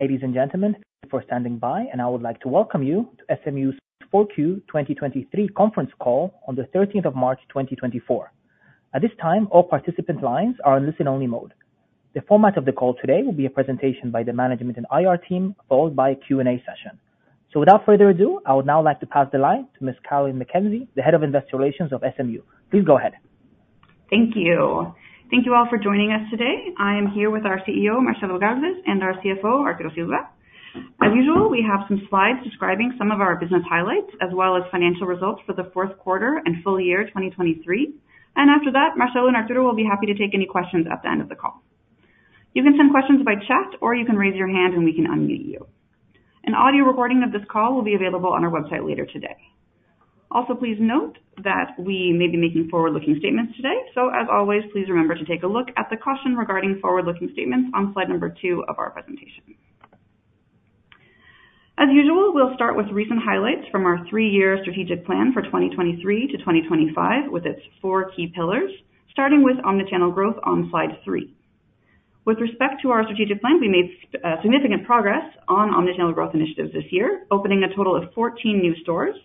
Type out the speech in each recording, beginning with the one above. Ladies and gentlemen, thank you for standing by, and I would like to welcome you to SMU's Q4 2023 Conference Call on the 13th of March 2024. At this time, all participant lines are in listen-only mode. The format of the call today will be a presentation by the management and IR team, followed by a Q&A session. Without further ado, I would now like to pass the line to Ms. Carolyn McKenzie, Head of Investor Relations of SMU. Please go ahead. Thank you. Thank you all for joining us today. I am here with our CEO, Marcelo Gálvez, and our CFO, Arturo Silva. As usual, we have some slides describing some of our business highlights as well as financial results for the fourth quarter and full year 2023. After that, Marcelo and Arturo will be happy to take any questions at the end of the call. You can send questions by chat, or you can raise your hand, and we can unmute you. An audio recording of this call will be available on our website later today. Also, please note that we may be making forward-looking statements today. As always, please remember to take a look at the caution regarding forward-looking statements on slide number two of our presentation. As usual, we'll start with recent highlights from our three-year strategic plan for 2023 to 2025, with its four key pillars, starting with omni-channel growth on slide three. With respect to our strategic plan, we made significant progress on omni-channel growth initiatives this year, opening a total of 14 new stores,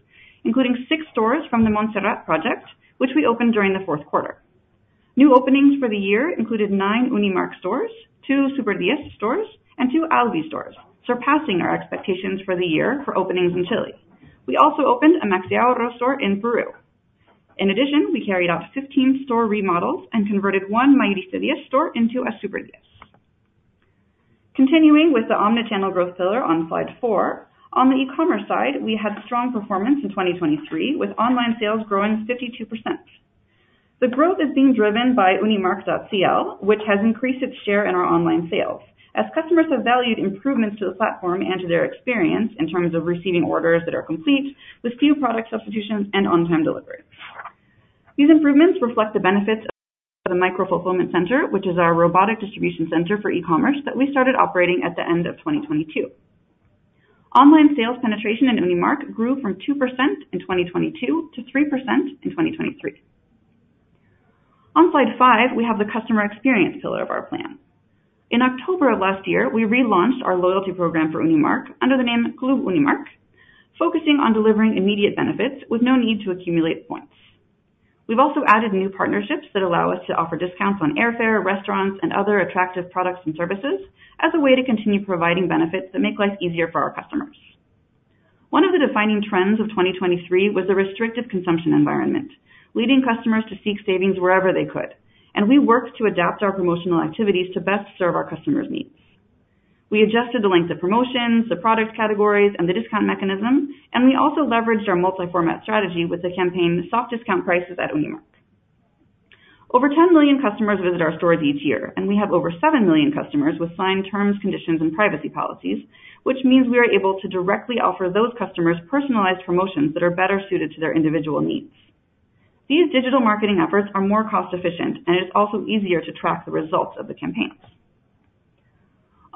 including six stores from the Montserrat project, which we opened during the fourth quarter. New openings for the year included nine Unimarc stores, two Super Diez stores, and two Alvi stores, surpassing our expectations for the year for openings in Chile. We also opened a MaxiAhorro store in Peru. In addition, we carried out 15 store remodels and converted one Minis Diez store into a Super Diez. Continuing with the omni-channel growth pillar on slide four. On the e-commerce side, we had strong performance in 2023, with online sales growing 52%. The growth is being driven by unimarc.cl, which has increased its share in our online sales as customers have valued improvements to the platform and to their experience in terms of receiving orders that are complete with few product substitutions and on-time delivery. These improvements reflect the benefits of the micro-fulfillment center, which is our robotic distribution center for e-commerce that we started operating at the end of 2022. Online sales penetration in Unimarc grew from 2% in 2022 to 3% in 2023. On slide five, we have the customer experience pillar of our plan. In October of last year, we relaunched our loyalty program for Unimarc under the name Club Unimarc, focusing on delivering immediate benefits with no need to accumulate points. We've also added new partnerships that allow us to offer discounts on airfare, restaurants, and other attractive products and services as a way to continue providing benefits that make life easier for our customers. One of the defining trends of 2023 was the restrictive consumption environment, leading customers to seek savings wherever they could, and we worked to adapt our promotional activities to best serve our customers' needs. We adjusted the length of promotions, the product categories, and the discount mechanisms, and we also leveraged our multi-format strategy with the campaign Soft Discount Prices at Unimarc. Over 10 million customers visit our stores each year, and we have over 7 million customers with signed terms, conditions, and privacy policies, which means we are able to directly offer those customers personalized promotions that are better suited to their individual needs. These digital marketing efforts are more cost-efficient, and it's also easier to track the results of the campaigns.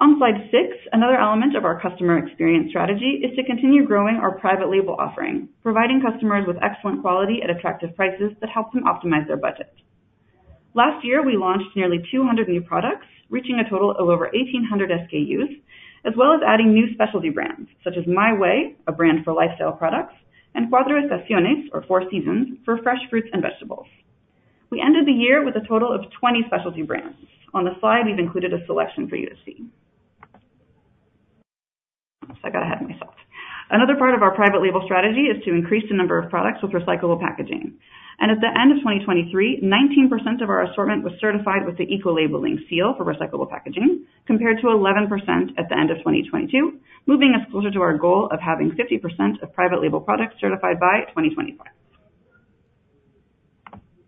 On slide six, another element of our customer experience strategy is to continue growing our private label offering, providing customers with excellent quality at attractive prices that help them optimize their budget. Last year, we launched nearly 200 new products, reaching a total of over 1,800 SKUs, as well as adding new specialty brands such as My Way, a brand for lifestyle products, and Cuatro Estaciones or Four Seasons for fresh fruits and vegetables. We ended the year with a total of 20 specialty brands. On the slide, we've included a selection for you to see. I got ahead of myself. Another part of our private label strategy is to increase the number of products with recyclable packaging. At the end of 2023, 19% of our assortment was certified with the eco-labeling seal for recyclable packaging, compared to 11% at the end of 2022, moving us closer to our goal of having 50% of private label products certified by 2025.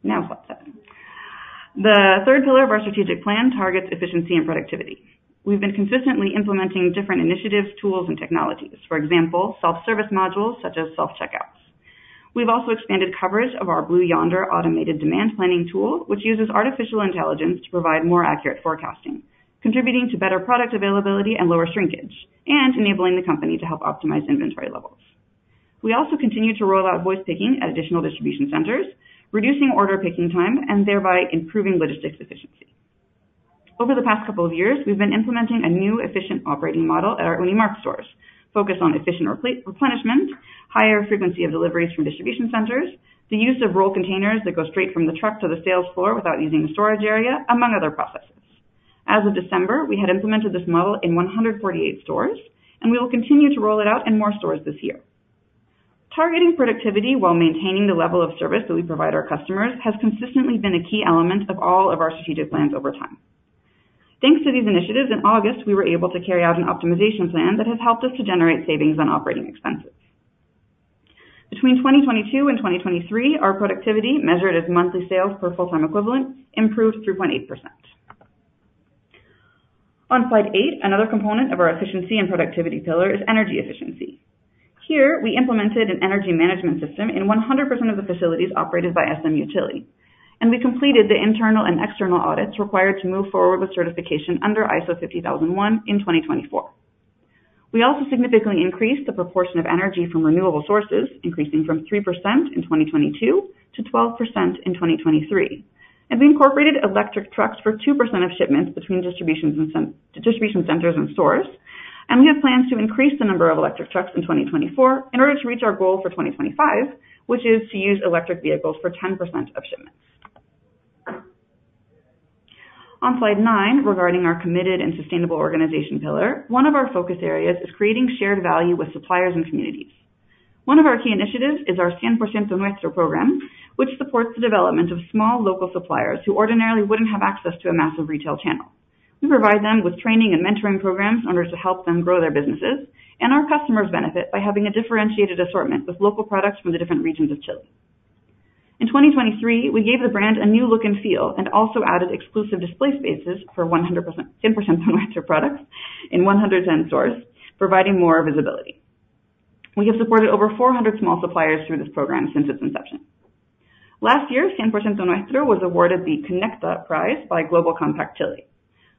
Now, slide seven. The third pillar of our strategic plan targets efficiency and productivity. We've been consistently implementing different initiatives, tools, and technologies. For example, self-service modules such as self-checkouts. We've also expanded coverage of our Blue Yonder automated demand planning tool, which uses artificial intelligence to provide more accurate forecasting, contributing to better product availability and lower shrinkage, and enabling the company to help optimize inventory levels. We also continue to roll out voice picking at additional distribution centers, reducing order picking time and thereby improving logistics efficiency. Over the past couple of years, we've been implementing a new efficient operating model at our Unimarc stores, focused on efficient replenishment, higher frequency of deliveries from distribution centers, the use of roll containers that go straight from the truck to the sales floor without using a storage area, among other processes. As of December, we had implemented this model in 148 stores, and we will continue to roll it out in more stores this year. Targeting productivity while maintaining the level of service that we provide our customers has consistently been a key element of all of our strategic plans over time. Thanks to these initiatives, in August, we were able to carry out an optimization plan that has helped us to generate savings on operating expenses. Between 2022 and 2023, our productivity, measured as monthly sales per full-time equivalent, improved 3.8%. On slide eight, another component of our efficiency and productivity pillar is energy efficiency. Here, we implemented an energy management system in 100% of the facilities operated by SMU Utility, and we completed the internal and external audits required to move forward with certification under ISO 50001 in 2024. We also significantly increased the proportion of energy from renewable sources, increasing from 3% in 2022 to 12% in 2023. We incorporated electric trucks for 2% of shipments between distribution centers and stores. We have plans to increase the number of electric trucks in 2024 in order to reach our goal for 2025, which is to use electric vehicles for 10% of shipments. On slide nine, regarding our committed and sustainable organization pillar, one of our focus areas is creating shared value with suppliers and communities. One of our key initiatives is our Cien por Ciento Nuestro program, which supports the development of small local suppliers who ordinarily wouldn't have access to a massive retail channel. We provide them with training and mentoring programs in order to help them grow their businesses, and our customers benefit by having a differentiated assortment with local products from the different regions of Chile. In 2023, we gave the brand a new look and feel and also added exclusive display spaces for 100% Cien por Ciento Nuestro products in 110 stores, providing more visibility. We have supported over 400 small suppliers through this program since its inception. Last year, Cien por Ciento Nuestro was awarded the Conecta Prize by Global Compact Chile.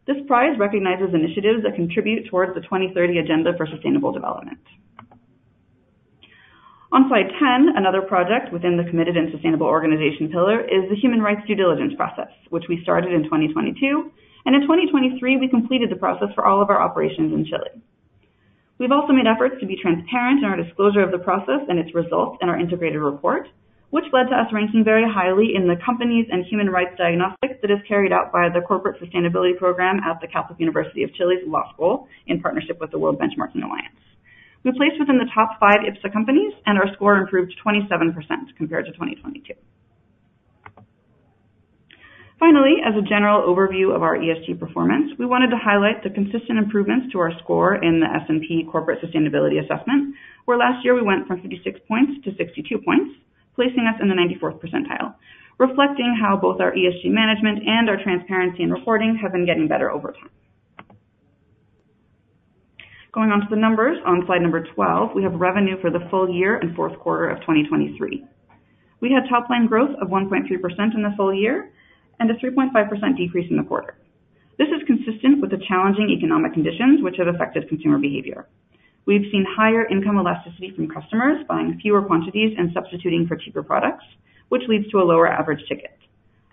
This prize recognizes initiatives that contribute towards the 2030 agenda for sustainable development. On slide 10, another project within the committed and sustainable organization pillar is the human rights due diligence process, which we started in 2022. In 2023, we completed the process for all of our operations in Chile. We've also made efforts to be transparent in our disclosure of the process and its results in our integrated report, which led to us ranking very highly in the companies and human rights diagnostics that is carried out by the Corporate Sustainability Program at the Pontificia Universidad Católica de Chile's Law School in partnership with the World Benchmarking Alliance. We placed within the top five IPSA companies, and our score improved 27% compared to 2022. Finally, as a general overview of our ESG performance, we wanted to highlight the consistent improvements to our score in the S&P Corporate Sustainability Assessment, where last year we went from 56 points to 62 points, placing us in the 94th percentile, reflecting how both our ESG management and our transparency in reporting have been getting better over time. Going on to the numbers on slide number 12, we have revenue for the full year and fourth quarter of 2023. We had top line growth of 1.3% in the full year and a 3.5% decrease in the quarter. This is consistent with the challenging economic conditions which have affected consumer behavior. We've seen higher income elasticity from customers buying fewer quantities and substituting for cheaper products, which leads to a lower average ticket.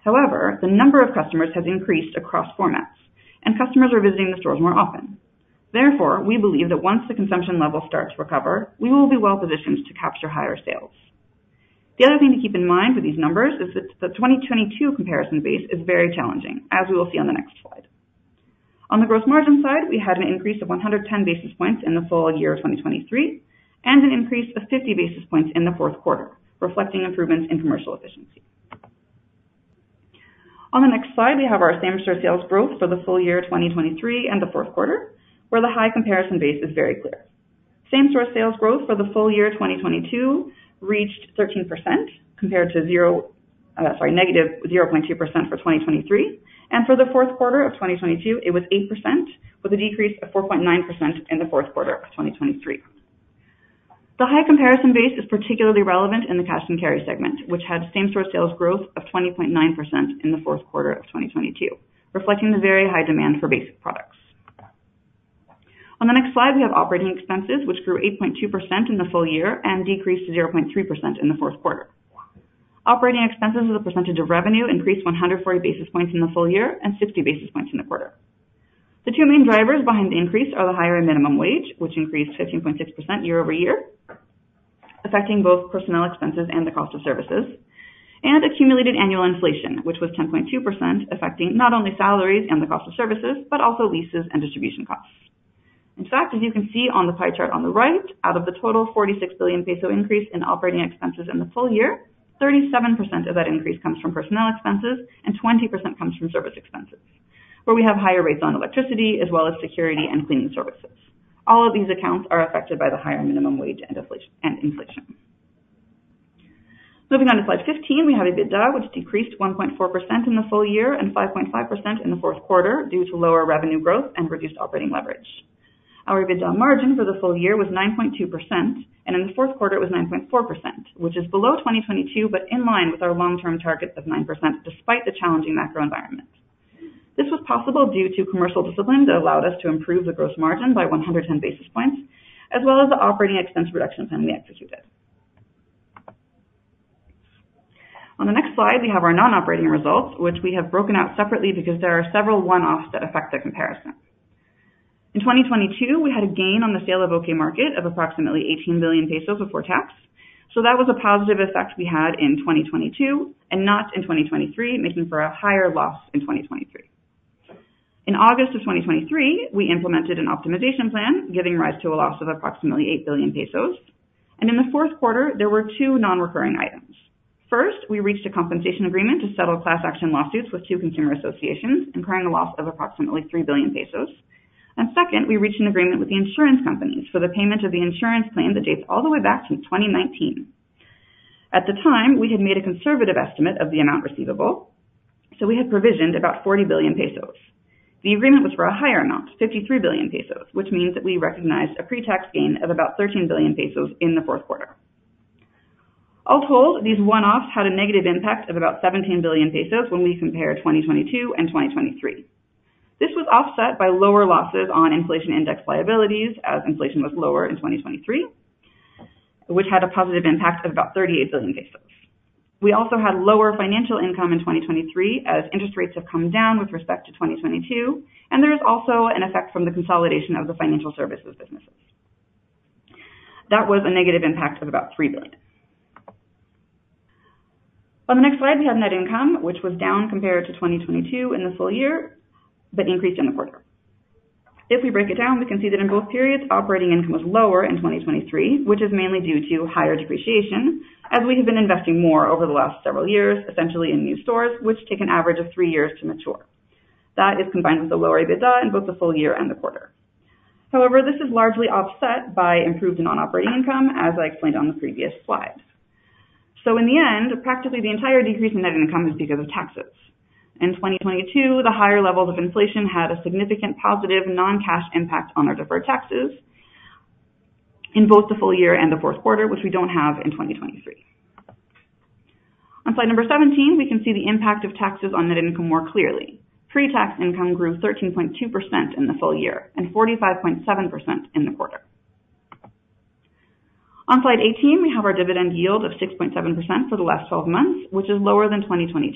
However, the number of customers has increased across formats, and customers are visiting the stores more often. Therefore, we believe that once the consumption level starts to recover, we will be well-positioned to capture higher sales. The other thing to keep in mind with these numbers is that the 2022 comparison base is very challenging, as we will see on the next slide. On the gross margin side, we had an increase of 110 basis points in the full year of 2023 and an increase of 50 basis points in the fourth quarter, reflecting improvements in commercial efficiency. On the next slide, we have our same-store sales growth for the full year 2023 and the fourth quarter, where the high comparison base is very clear. Same-store sales growth for the full year 2022 reached 13% compared to 0... Negative 0.2% for 2023. For the fourth quarter of 2022, it was 8% with a decrease of 4.9% in the fourth quarter of 2023. The high comparison base is particularly relevant in the cash and carry segment, which had same-store sales growth of 20.9% in the fourth quarter of 2022, reflecting the very high demand for basic products. On the next slide, we have operating expenses, which grew 8.2% in the full year and decreased to 0.3% in the fourth quarter. Operating expenses as a percentage of revenue increased 140 basis points in the full year and 60 basis points in the quarter. The two main drivers behind the increase are the higher minimum wage, which increased 15.6% year-over-year, affecting both personnel expenses and the cost of services, and accumulated annual inflation, which was 10.2%, affecting not only salaries and the cost of services, but also leases and distribution costs. In fact, as you can see on the pie chart on the right, out of the total 46 billion peso increase in operating expenses in the full year, 37% of that increase comes from personnel expenses and 20% comes from service expenses, where we have higher rates on electricity as well as security and cleaning services. All of these accounts are affected by the higher minimum wage and inflation. Moving on to slide 15, we have EBITDA, which decreased 1.4% in the full year and 5.5% in the fourth quarter due to lower revenue growth and reduced operating leverage. Our EBITDA margin for the full year was 9.2%, and in the fourth quarter it was 9.4%, which is below 2022, but in line with our long-term target of 9% despite the challenging macro environment. This was possible due to commercial discipline that allowed us to improve the gross margin by 110 basis points as well as the operating expense reductions that we executed. On the next slide, we have our non-operating results, which we have broken out separately because there are several one-offs that affect the comparison. In 2022, we had a gain on the sale of OK Market of approximately 18 billion pesos before tax. That was a positive effect we had in 2022 and not in 2023, making for a higher loss in 2023. In August of 2023, we implemented an optimization plan, giving rise to a loss of approximately 8 billion pesos. In the fourth quarter, there were two non-recurring items. First, we reached a compensation agreement to settle class action lawsuits with two consumer associations, incurring a loss of approximately 3 billion pesos. Second, we reached an agreement with the insurance company for the payment of the insurance claim that dates all the way back to 2019. At the time, we had made a conservative estimate of the amount receivable, so we had provisioned about 40 billion pesos. The agreement was for a higher amount, 53 billion pesos, which means that we recognized a pre-tax gain of about 13 billion pesos in the fourth quarter. All told, these one-offs had a negative impact of about 17 billion pesos when we compare 2022 and 2023. This was offset by lower losses on inflation index liabilities as inflation was lower in 2023, which had a positive impact of about 38 billion pesos. We also had lower financial income in 2023 as interest rates have come down with respect to 2022, and there is also an effect from the consolidation of the financial services businesses. That was a negative impact of about 3 billion. On the next slide, we have net income, which was down compared to 2022 in the full year, but increased in the quarter. If we break it down, we can see that in both periods, operating income was lower in 2023, which is mainly due to higher depreciation as we have been investing more over the last several years, essentially in new stores, which take an average of three years to mature. That is combined with the lower EBITDA in both the full year and the quarter. However, this is largely offset by improved non-operating income, as I explained on the previous slides. In the end, practically the entire decrease in net income is because of taxes. In 2022, the higher levels of inflation had a significant positive non-cash impact on our deferred taxes in both the full year and the fourth quarter, which we don't have in 2023. On slide number 17, we can see the impact of taxes on net income more clearly. Pre-tax income grew 13.2% in the full year and 45.7% in the quarter. On slide 18, we have our dividend yield of 6.7% for the last 12 months, which is lower than 2022,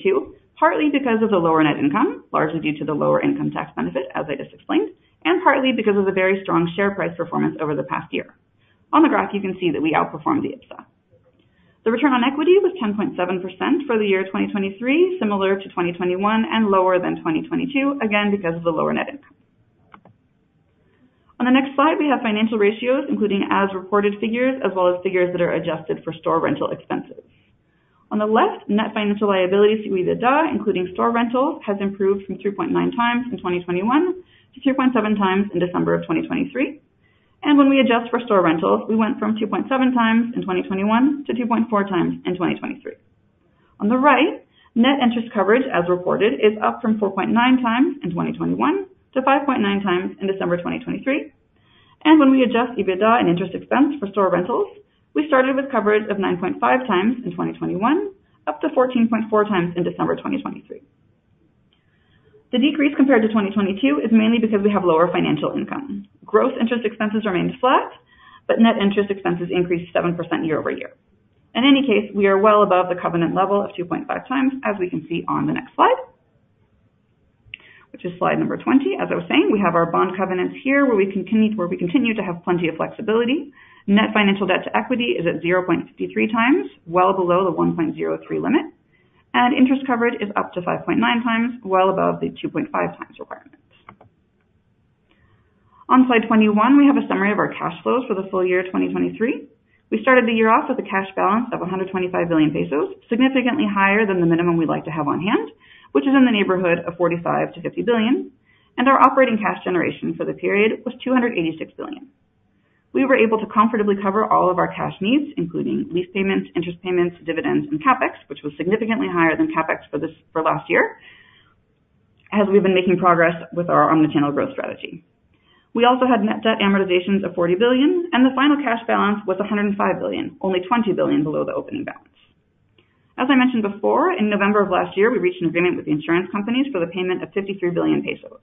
partly because of the lower net income, largely due to the lower income tax benefit, as I just explained, and partly because of the very strong share price performance over the past year. On the graph, you can see that we outperformed the IPSA. The return on equity was 10.7% for the year 2023, similar to 2021 and lower than 2022, again, because of the lower net income. On the next slide, we have financial ratios, including as-reported figures as well as figures that are adjusted for store rental expenses. On the left, net financial liability to EBITDA, including store rentals, has improved from 3.9x in 2021 to 3.7x in December 2023. When we adjust for store rentals, we went from 2.7x in 2021 to 2.4x in 2023. On the right, net interest coverage as reported is up from 4.9x in 2021 to 5.9x in December 2023. When we adjust EBITDA and interest expense for store rentals, we started with coverage of 9.5x in 2021, up to 14.4x in December 2023. The decrease compared to 2022 is mainly because we have lower financial income. Gross interest expenses remained flat, but net interest expenses increased 7% year-over-year. In any case, we are well above the covenant level of 2.5x, as we can see on the next slide, which is slide number 20. As I was saying, we have our bond covenants here, where we continue to have plenty of flexibility. Net financial debt to equity is at 0.53x, well below the 1.03 limit, and interest coverage is up to 5.9x, well above the 2.5x requirements. On slide 21, we have a summary of our cash flows for the full year 2023. We started the year off with a cash balance of 125 billion pesos, significantly higher than the minimum we'd like to have on hand, which is in the neighborhood of 45 billion-50 billion. Our operating cash generation for the period was 286 billion. We were able to comfortably cover all of our cash needs, including lease payments, interest payments, dividends, and CapEx, which was significantly higher than CapEx for last year, as we've been making progress with our omni-channel growth strategy. We also had net debt amortizations of 40 billion, and the final cash balance was 105 billion, only 20 billion below the opening balance. As I mentioned before, in November of last year, we reached an agreement with the insurance companies for the payment of 53 billion pesos.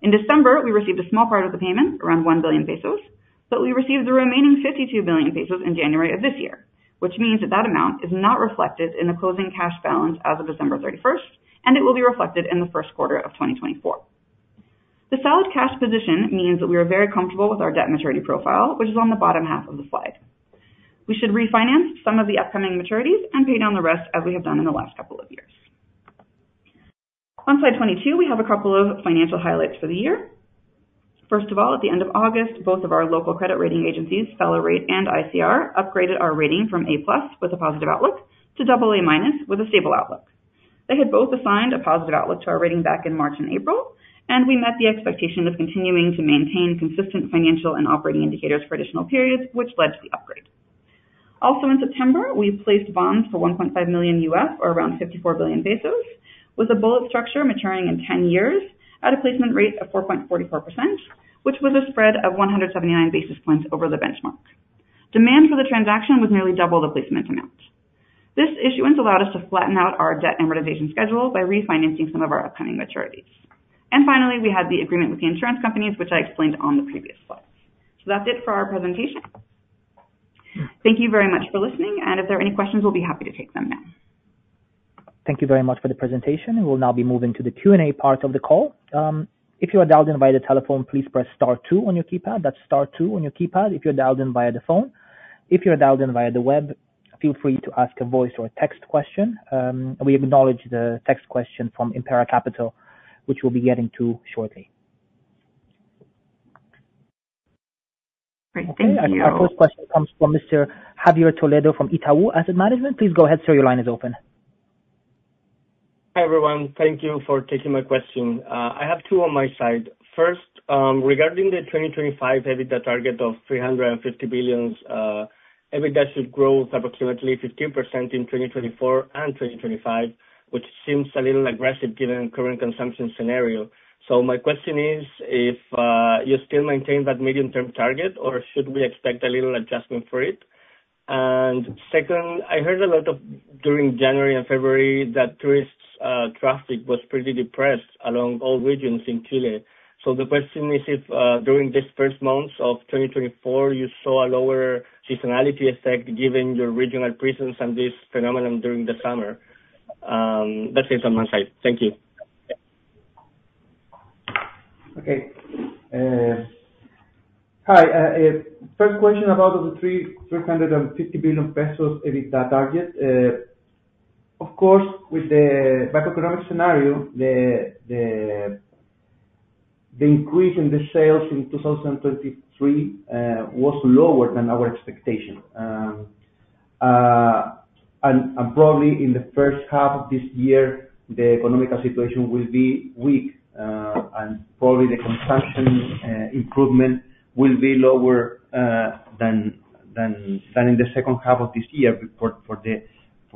In December, we received a small part of the payment, around 1 billion pesos, but we received the remaining 52 billion pesos in January of this year, which means that that amount is not reflected in the closing cash balance as of December 31, and it will be reflected in the first quarter of 2024. The solid cash position means that we are very comfortable with our debt maturity profile, which is on the bottom half of the slide. We should refinance some of the upcoming maturities and pay down the rest as we have done in the last couple of years. On slide 22, we have a couple of financial highlights for the year. First of all, at the end of August, both of our local credit rating agencies, Feller Rate and ICR, upgraded our rating from A+ with a positive outlook to AA- with a stable outlook. They had both assigned a positive outlook to our rating back in March and April, and we met the expectation of continuing to maintain consistent financial and operating indicators for additional periods which led to the upgrade. Also in September, we placed bonds for $1.5 million or around 54 billion pesos with a bullet structure maturing in 10 years at a placement rate of 4.44%, which was a spread of 179 basis points over the benchmark. Demand for the transaction was nearly double the placement amount. This issuance allowed us to flatten out our debt amortization schedule by refinancing some of our upcoming maturities. Finally, we had the agreement with the insurance companies, which I explained on the previous slides. That's it for our presentation. Thank you very much for listening, and if there are any questions, we'll be happy to take them now. Thank you very much for the presentation. We will now be moving to the Q&A part of the call. If you are dialed in via the telephone, please press star two on your keypad. That's star two on your keypad if you're dialed in via the phone. If you're dialed in via the web, feel free to ask a voice or text question. We acknowledge the text question from Impar Capital, which we'll be getting to shortly. Great. Thank you. Okay. Our first question comes from Mr. Javier Toledo from Itaú Asset Management. Please go ahead, sir. Your line is open. Hi, everyone. Thank you for taking my question. I have two on my side. First, regarding the 2025 EBITDA target of 350 billion, EBITDA should grow approximately 15% in 2024 and 2025, which seems a little aggressive given current consumption scenario. My question is if you still maintain that medium-term target, or should we expect a little adjustment for it? Second, I heard a lot during January and February that tourist traffic was pretty depressed along all regions in Chile. The question is if during these first months of 2024, you saw a lower seasonality effect given your regional presence and this phenomenon during the summer. That's it on my side. Thank you. First question about the 350 billion pesos EBITDA target. Of course, with the macroeconomic scenario, the increase in the sales in 2023 was lower than our expectation. Probably in the first half of this year, the economic situation will be weak. Probably the consumption improvement will be lower than in the second half of this year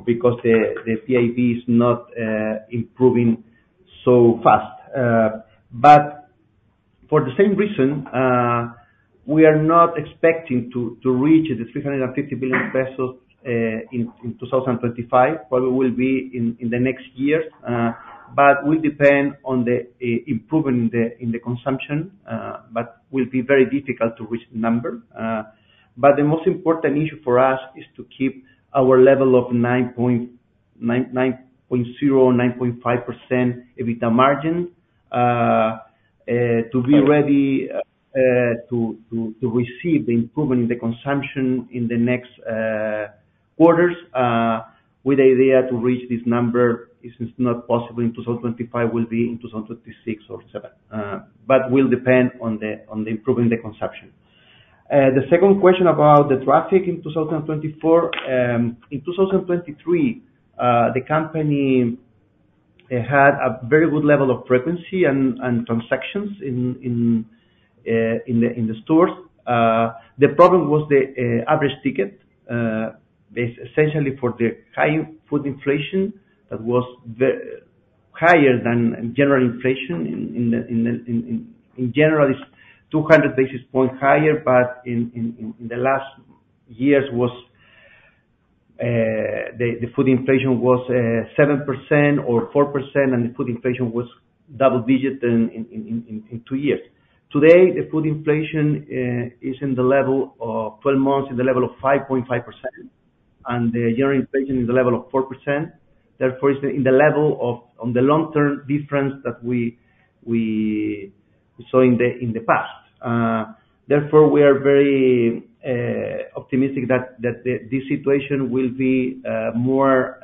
because the PIB is not improving so fast. For the same reason, we are not expecting to reach the 350 billion pesos in 2025. Probably will be in the next year, but will depend on the improvement in the consumption, but will be very difficult to reach the number. The most important issue for us is to keep our level of 9.0%-9.5% EBITDA margin, to be ready to receive the improvement in the consumption in the next quarters. With the idea to reach this number, if it's not possible in 2025, will be in 2026 or 2027. Will depend on the improvement in the consumption. The second question about the traffic in 2024. In 2023, the company had a very good level of frequency and transactions in the stores. The problem was the average ticket, essentially for the high food inflation that was higher than general inflation. In general, it is 200 basis points higher, but in the last years, the food inflation was 7% or 4%, and the food inflation was double digits in two years. Today, the food inflation is in the level of twelve months, in the level of 5.5%, and the general inflation is a level of 4%. Therefore, it is in the level of the long-term difference that we saw in the past. Therefore, we are very optimistic that this situation will be more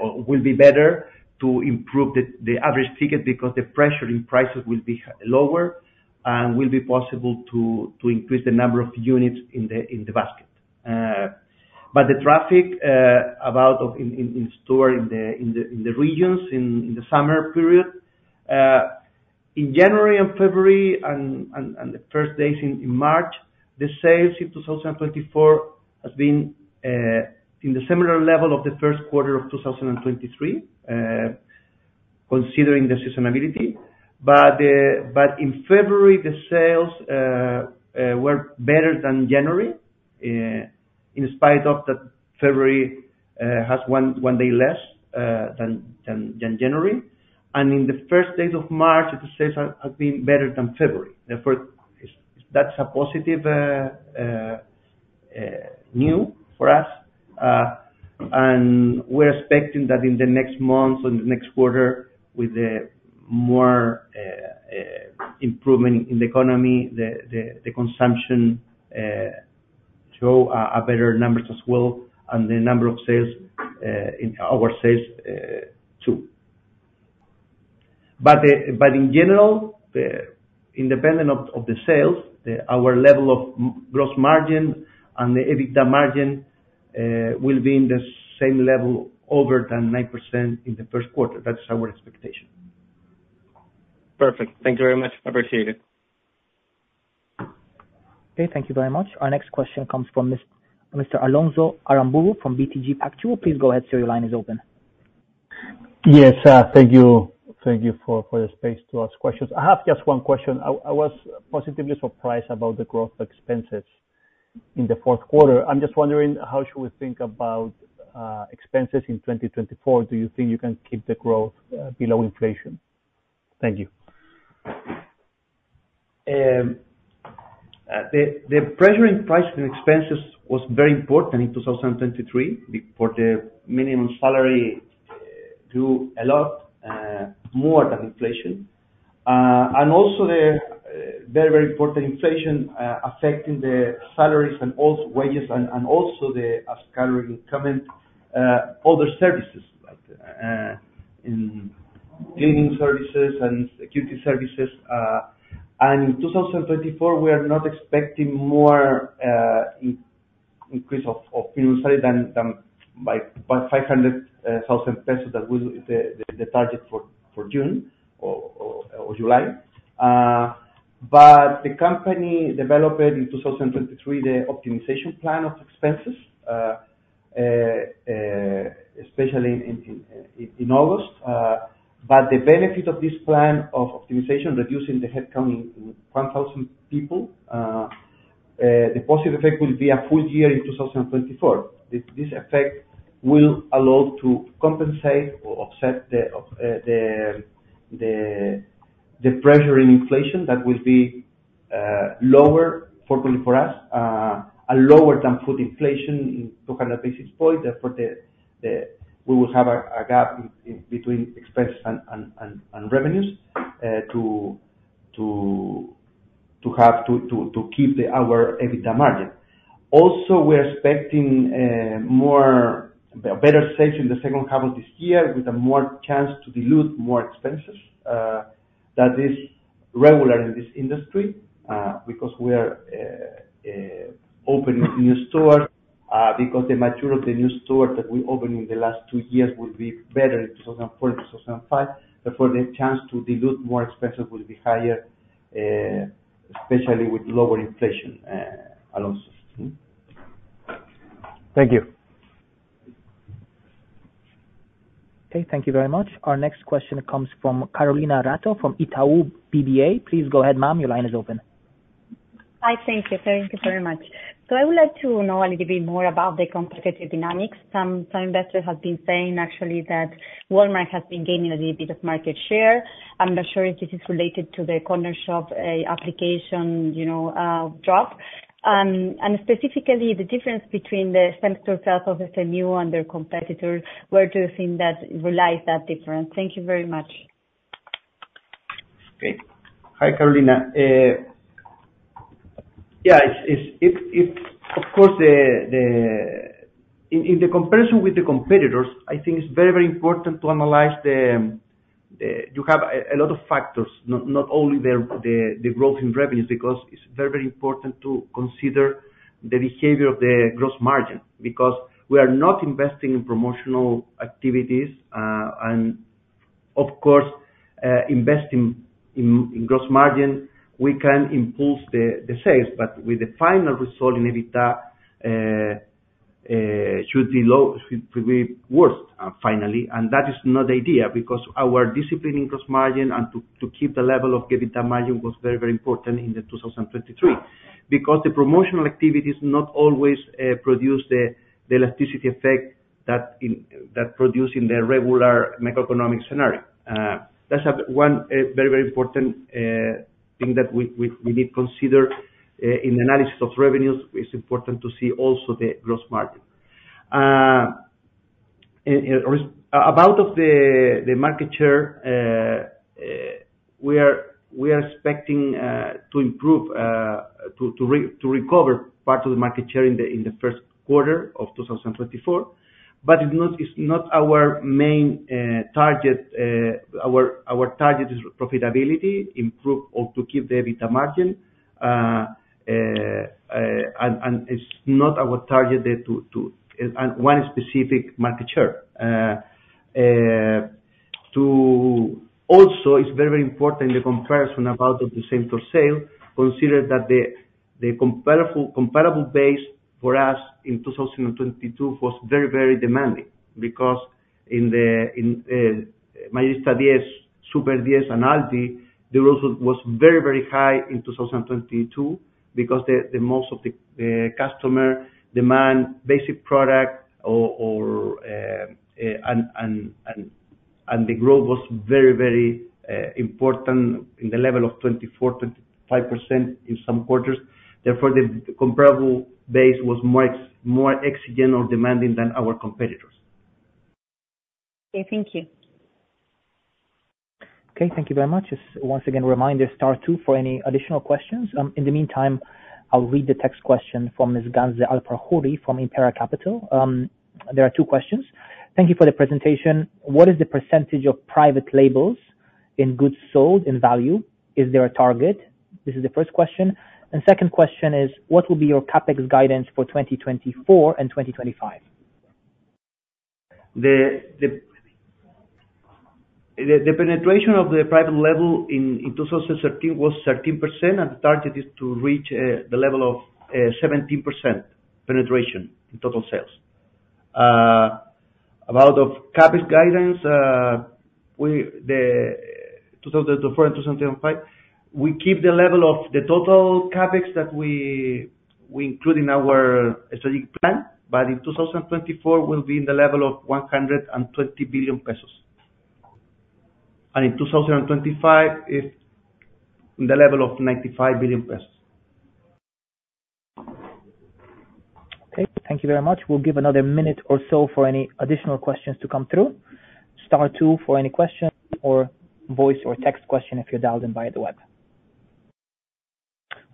or will be better to improve the average ticket because the pressure in prices will be lower and will be possible to increase the number of units in the basket. The traffic about of in store in the regions in the summer period. In January and February and the first days in March, the sales in 2024 has been in the similar level of the first quarter of 2023, considering the seasonality. In February, the sales were better than January, in spite of that February has one day less than January. In the first days of March, the sales have been better than February. Therefore, that's a positive news for us. We're expecting that in the next months or the next quarter with more improvement in the economy, the consumption should show better numbers as well, and the sales numbers in our sales too. In general, independent of the sales, our level of gross margin and the EBITDA margin will be in the same level above 9% in the first quarter. That's our expectation. Perfect. Thank you very much. Appreciate it. Okay, thank you very much. Our next question comes from Mr. Alonso Aramburú from BTG Pactual. Please go ahead, sir. Your line is open. Yes. Thank you. Thank you for the space to ask questions. I have just one question. I was positively surprised about the expense growth in the fourth quarter. I'm just wondering how we should think about expenses in 2024. Do you think you can keep the growth below inflation? Thank you. The pressure in personnel expenses was very important in 2023, for the minimum salary grew a lot more than inflation. The very important inflation affecting the salaries and also wages, and also the, as Carlos will comment, other services like in cleaning services and security services. In 2024, we are not expecting more increase of minimum salary than by 500,000 pesos. That was the target for June or July. The company developed in 2023 the optimization plan of expenses, especially in August. The benefit of this plan of optimization, reducing the headcount in 1,000 people, the positive effect will be a full year in 2024. This effect will allow to compensate or offset the pressure in inflation that will be lower, fortunately for us. A lower than food inflation by 200 basis points. Therefore, we will have a gap between expenses and revenues to keep our EBITDA margin. Also, we're expecting better sales in the second half of this year with a more chance to dilute more expenses that is regular in this industry because we are opening new stores because the maturity of the new stores that we opened in the last two years will be better in 2024 and 2025. Therefore, the chance to dilute more expenses will be higher, especially with lower inflation allowances. Thank you. Okay. Thank you very much. Our next question comes from Carolina Ratto from Itaú BBA. Please go ahead, ma'am. Your line is open. Hi. Thank you. Thank you very much. I would like to know a little bit more about the competitive dynamics. Some investors have been saying actually that Walmart has been gaining a little bit of market share. I'm not sure if this is related to the Cornershop app, you know. And specifically, the difference between the same store sales of SMU and their competitors, where do you think that difference lies? Thank you very much. Okay. Hi, Carolina. Yeah, of course, in the comparison with the competitors, I think it's very important to analyze the factors. You have a lot of factors. Not only the growth in revenues, because it's very important to consider the behavior of the gross margin because we are not investing in promotional activities. And of course, investing in gross margin, we can impel the sales, but with the final result in EBITDA should be low, should be worse finally. That is not the idea because our discipline in gross margin and to keep the level of EBITDA margin was very important in 2023. Because the promotional activities not always produce the elasticity effect that produce in the regular macroeconomic scenario. That's one very important thing that we need consider in analysis of revenues. It's important to see also the gross margin. About the market share, we are expecting to recover part of the market share in the first quarter of 2024. It's not our main target. Our target is profitability, improve or to keep the EBITDA margin. It's not our target to attain one specific market share. Also it's very important the comparison about the same store sales. Consider that the comparable base for us in 2022 was very demanding because in Mayorista 10, Super Diez and Alvi, the growth was very high in 2022 because the most of the customer demand for basic products and the growth was very important in the level of 24%-25% in some quarters. Therefore, the comparable base was much more exigent or demanding than our competitors. Okay. Thank you. Thank you very much. Just once again, a reminder, star two for any additional questions. In the meantime, I'll read the text question from Ms. Ganze Al Farhoubi from Impar Capital. There are two questions. Thank you for the presentation. What is the percentage of private labels in goods sold in value? Is there a target? This is the first question. Second question is, what will be your CapEx guidance for 2024 and 2025? The penetration of the private label in 2013 was 13%, and the target is to reach the level of 17% penetration in total sales. About the CapEx guidance, the 2024 and 2025, we keep the level of the total CapEx that we include in our strategic plan, but in 2024 will be in the level of 120 billion pesos. In 2025, it's the level of 95 billion pesos. Okay. Thank you very much. We'll give another minute or so for any additional questions to come through. Star two for any questions or voice or text question if you're dialed in via the web.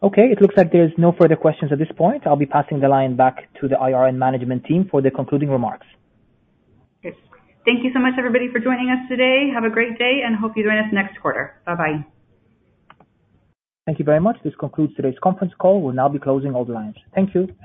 Okay, it looks like there's no further questions at this point. I'll be passing the line back to the IR and management team for the concluding remarks. Yes. Thank you so much, everybody, for joining us today. Have a great day, and I hope you join us next quarter. Bye-bye. Thank you very much. This concludes today's conference call. We'll now be closing all the lines. Thank you.